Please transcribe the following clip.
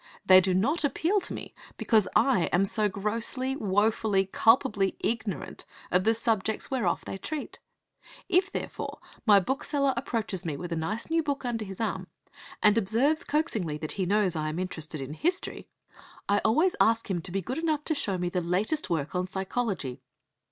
They do not appeal to me because I am so grossly, wofully, culpably ignorant of the subjects whereof they treat. If, therefore, my bookseller approaches me, with a nice new book under his arm, and observes coaxingly that he knows I am interested in history, I always ask him to be good enough to show me the latest work on psychology.